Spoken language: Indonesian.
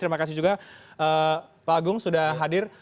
terima kasih juga pak agung sudah hadir